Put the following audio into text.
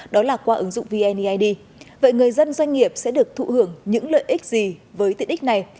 đó là qua ứng dụng vneid vậy người dân doanh nghiệp sẽ được thụ hưởng những lợi ích gì với tiện ích này